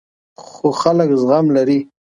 خو خلک زغم لري.